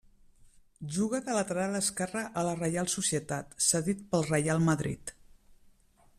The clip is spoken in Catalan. Juga de lateral esquerre a la Reial Societat, cedit pel Reial Madrid.